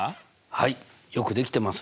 はいよくできてますね。